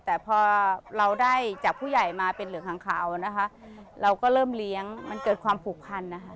แต่พอเราได้จากผู้ใหญ่มาเป็นเหลืองหางขาวนะคะเราก็เริ่มเลี้ยงมันเกิดความผูกพันนะคะ